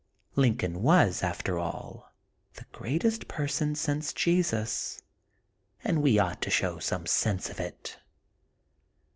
Lincoln was after all the greatest person since Jesus and we ought to show some sense of it.'